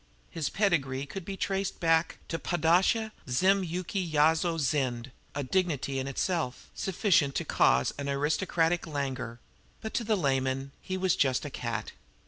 His pedigree could be traced directly back to Padisha Zim Yuki Yowsi Zind a dignity, in itself, sufficient to cause an aristocratic languor; but, to the layman, he was just a cat.